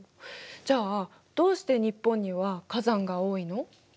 じゃあどうして日本には火山が多いの？